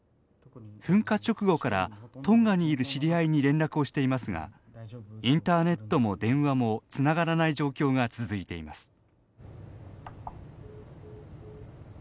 噴火直後からトンガにいる知り合いに連絡をしていますがインターネットも電話もつながらない状況が続いています。